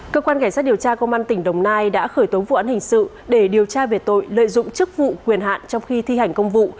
cơ quan cảnh sát điều tra công an tỉnh đồng nai đã khởi tố vụ án hình sự để điều tra về tội lợi dụng chức vụ quyền hạn trong khi thi hành công vụ